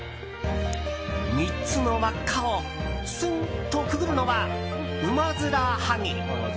３つの輪っかをスンッとくぐるのは、ウマヅラハギ。